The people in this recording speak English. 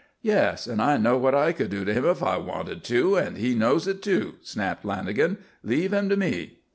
"Yes, and I know what I could do to him if I wanted to, and he knows it, too," snapped Lanagan. "Leave him to me."